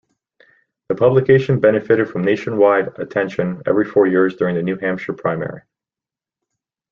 The publication benefited from nationwide attention every four years during the New Hampshire primary.